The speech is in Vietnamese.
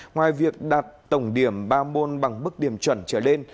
ngoài việc đạt tổng điểm ba môn bằng mức điểm chuẩn trở lên